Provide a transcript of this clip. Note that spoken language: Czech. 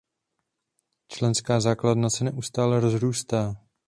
Členská základna se neustále rozrůstá.